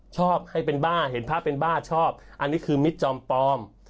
ชอบให้เป็นบ้าเห็นพระเป็นบ้าชอบอันนี้คือมิตรจอมปลอม